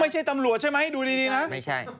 ไม่ใช่ตำรวจใช่มั้ยดูดีนะ